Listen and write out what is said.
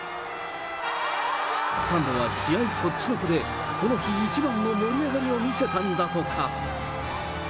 スタンドは試合そっちのけで、この日一番の盛り上がりを見せたんだとか。